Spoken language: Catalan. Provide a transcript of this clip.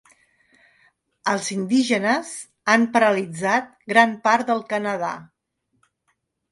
Els indígenes han paralitzat gran part del Canadà.